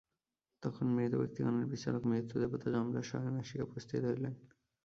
তখন মৃত ব্যক্তিগণের বিচারক মৃত্যুদেবতা যমরাজ স্বয়ং আসিয়া উপস্থিত হইলেন।